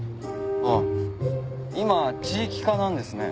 ああ今地域課なんですね。